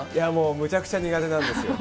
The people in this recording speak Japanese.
むちゃくちゃ苦手ですよ。